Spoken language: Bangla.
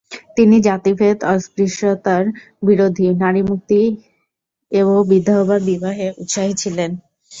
তিনি জাতিভেদ, অস্পৃশ্যতার বিরোধী, নারীমুক্তি ও বিধবাবিবাহে উৎসাহী ছিলেন।